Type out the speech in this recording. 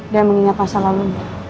dan mengingat masa lalu